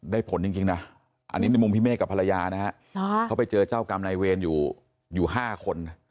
ผลจริงนะอันนี้ในมุมพี่เมฆกับภรรยานะฮะเขาไปเจอเจ้ากรรมนายเวรอยู่๕คน